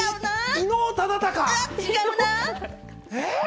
伊能忠敬。